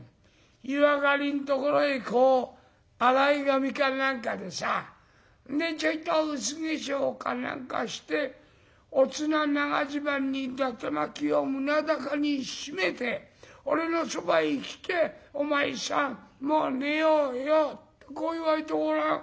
湯上がりんところへこう洗い髪か何かでさでちょいと薄化粧か何かしておつな長襦袢にだて巻きを胸高に締めて俺のそばへ来て『お前さんもう寝ようよ』とこう言われてごらん。